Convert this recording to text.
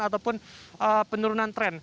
ataupun penurunan tren